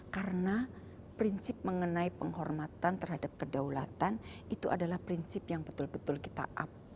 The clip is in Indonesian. karena prinsip mengenai penghormatan terhadap kedaulatan itu adalah prinsip yang betul betul kita up